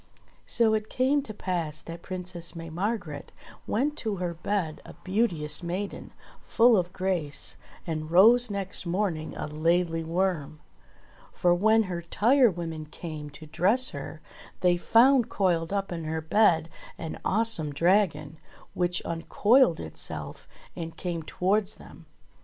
So it came to pass that Princess May Margret went to her bed a beauteous maiden, full of grace, and rose next 128 ENGLISH FAIRY TALES morning a Laidly Worm ; for when her tire women came to dress her they found coiled up in her bed an awesome dragon, which uncoiled itself and came towards them.